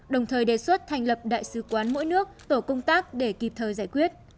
đồng thời đề xuất thành lập đại sứ quán mỗi nước tổ công tác để kịp thời giải quyết